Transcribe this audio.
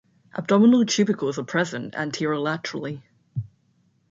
Abdominal tubercles are present anterolaterally.